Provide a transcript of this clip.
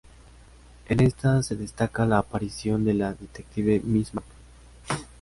En esta se destaca la aparición de la detective Miss Marple.